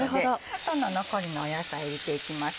あとの残りの野菜入れていきます。